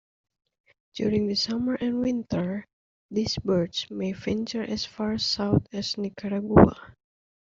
During the summer and winter, these birds may venture as far south as Nicaragua.